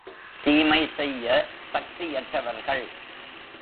தீமை செய்ய சக்தியற்றவர்கள்.